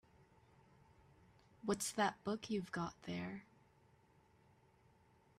What's that book you've got there?